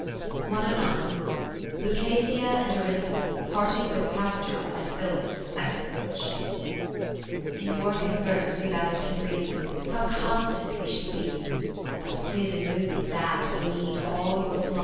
Lucasia and Orinda parting with Pastora and Phillis at Ipswich I In your converse we best can read, How constant we should be ; But, 'tis in losing that, we need All your philosophy.